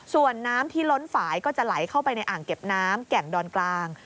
ส่วนน้ำที่ล้นฝ่ายก็จะไหลเข้าไปในอ่างเก็บน้ำแก่งดอนกลาง